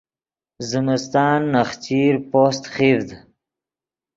زمستان نخچیر پوست خیڤد